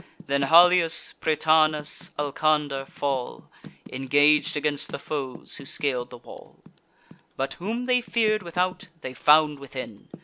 Then Halius, Prytanis, Alcander fall— Engag'd against the foes who scal'd the wall: But, whom they fear'd without, they found within.